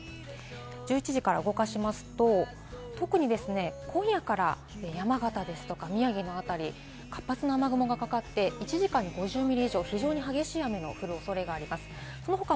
１１時から動かしますと、特にですね、今夜から山形ですとか、宮城の辺り、活発な雨雲がかかって１時間に５０ミリ以上、非常に激しい雨の降るおそれがあります。